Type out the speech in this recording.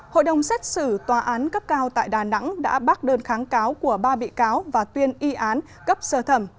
hội đồng xét xử tòa án cấp cao tại đà nẵng đã bác đơn kháng cáo của ba bị cáo và tuyên y án cấp sơ thẩm